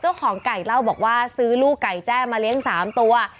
เจ้าของไก่เล่าบอกว่าซื้อลูกไก่แจ้มาเลี้ยง๓ตัว